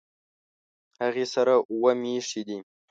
هغې سره اووه مېښې دي